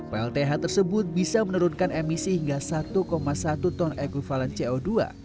plth tersebut bisa menurunkan emisi hingga satu satu ton ekvivalen co dua